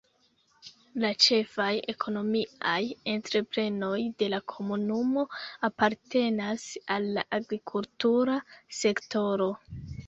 La ĉefaj ekonomiaj entreprenoj de la komunumo apartenas al la agrikultura sektoro.